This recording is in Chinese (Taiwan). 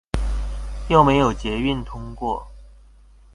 又沒有捷運經過